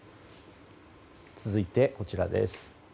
続いて、こちらです。